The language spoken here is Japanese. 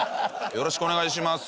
よろしくお願いします。